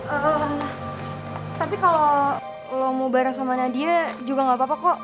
tapi kalau lo mau bareng sama nadia juga gak apa apa kok